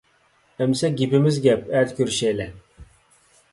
ئەمىسە گېپىمىز گەپ. ئەتە كۆرۈشەيلى.